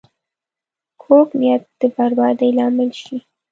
کوږ نیت د بربادۍ لامل شي